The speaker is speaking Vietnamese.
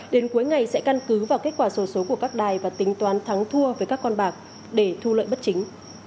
đến cuối ngày sẽ căn cứ vào kết quả sổ số của các đài và tính toán thắng thua với các con bạc để thu lợi bất chính